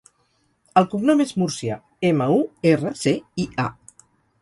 El cognom és Murcia: ema, u, erra, ce, i, a.